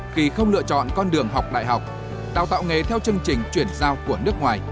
khi không lựa chọn con đường học đại học đào tạo nghề theo chương trình chuyển giao của nước ngoài